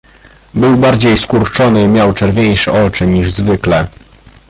"Był bardziej skurczony i miał czerwieńsze oczy, niż zwykle."